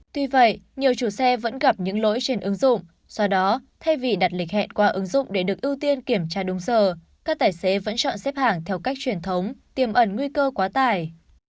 tuy vậy nhiều chủ xe vẫn gặp những lỗi trên ứng dụng do đó thay vì đặt lịch hẹn qua ứng dụng để được ưu tiên kiểm tra đúng giờ các tài xế vẫn chọn xếp hàng theo cách truyền thống tiềm ẩn nguy cơ quá tải